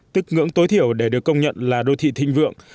tức ngưỡng tối thiểu để được công nhận là đô thị thịnh vượng